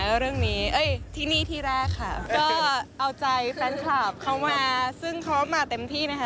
ครั้งแรกร้องเพลงคู่กันก็ตื่นเต้นค่ะ